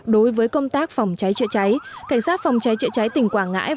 đối với công tác phòng cháy trựa cháy cảnh sát phòng cháy trựa cháy tỉnh quảng ngãi